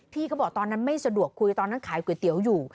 เขาบอกตอนนั้นไม่สะดวกคุยตอนนั้นขายก๋วยเตี๋ยวอยู่